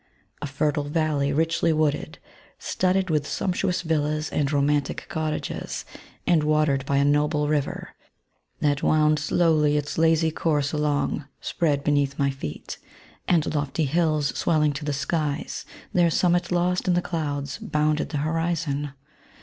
A fertile valley richly wooded, studded with sumptuous villas and romantic cottages, and watered by a noble river, that wound slowly its lazy course along, fpread beneath my feet ; and lofty hills 8well«> ing to the skies, their summit lost in cloyds, bounded the horizon.